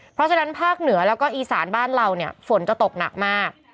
เพราะฉะนั้นภาคเหนือแล้วก็อีสานบ้านเราเนี่ยฝนจะตกหนักมาก